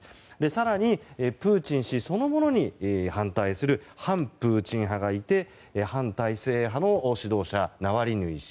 更にプーチン氏そのものに反対する反プーチン派がいて反体制派の主導者ナワリヌイ氏。